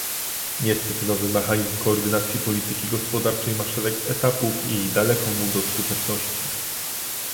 Niestety nowy mechanizm koordynacji polityki gospodarczej ma szereg etapów i daleko mu do skuteczności